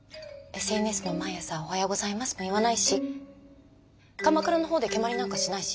ＳＮＳで毎日「おはようございます」も言わないし鎌倉のほうで蹴まりなんかしないし。